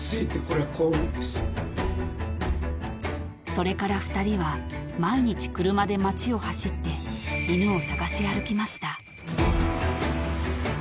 ［それから２人は毎日車で町を走って犬を探し歩きました］